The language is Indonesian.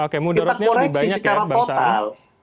kita koreksi secara total